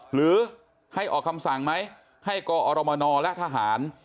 หรือให้ออกคำสั่งไหมให้กอรมนและทหาร